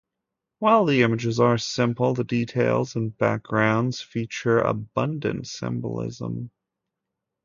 While the images are simple, the details and backgrounds feature abundant symbolism.